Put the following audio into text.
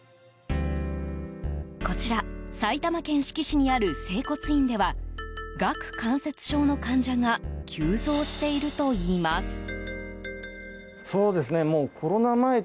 こちら埼玉県志木市にある整骨院では顎関節症の患者が急増しているといいます。